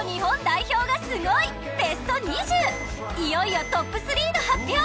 いよいよトップ３の発表！